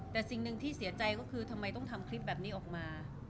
แต่สิ่งหนึ่งที่เสียใจก็คือทำไมต้องทำคลิปแบบนี้ออกมา